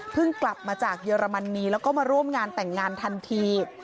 กลับมาจากเยอรมนีแล้วก็มาร่วมงานแต่งงานทันที